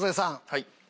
はい。